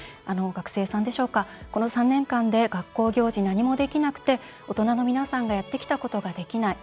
学生さんでしょうか「この３年間で学校行事何もできなくて大人の皆さんがやってきたことができない。